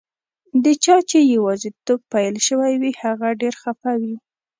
د چا چي یوازیتوب پیل شوی وي، هغه ډېر خفه وي.